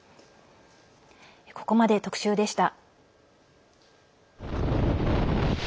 ここまで特集でした。